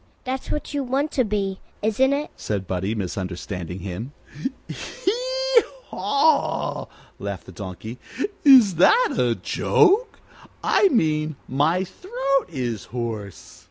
"That's what you want to be, isn't it?" said Buddie, misunderstanding him. "Hee haw!" laughed the Donkey. "Is that a joke? I mean my throat is hoarse."